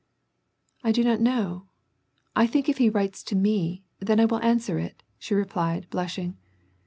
" I do not know. I think if he writes to me, then I will answer it," she replied, blushing.